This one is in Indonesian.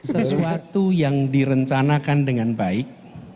sesuatu yang direncanakan dengan baik